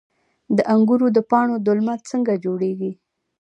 د انګورو د پاڼو دلمه څنګه جوړیږي؟